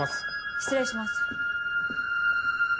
失礼します。